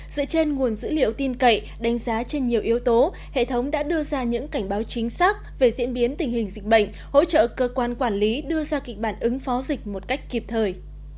dựa trên nguồn dữ liệu tin cậy đánh giá trên nhiều yếu tố hệ thống đã đưa ra những cảnh báo chính xác về diễn biến tình hình dịch bệnh hỗ trợ cơ quan quản lý đưa ra kịch bản ứng phó dịch một cách kịp thời